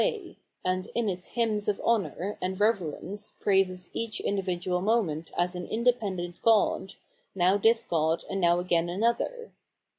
746 PTimomemlogy of Mind and in its hymns of honour and reverence praises each individual moment as an independent god, now this god and now agaia another.